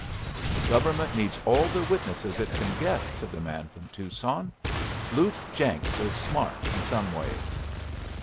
"The government needs all the witnesses it can get," said the man from Tucson. "Luke Jenks is smart in some ways."